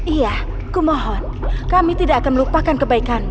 iya kumohon kami tidak akan melupakan kebaikanmu